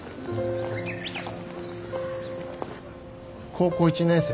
高校１年生だ。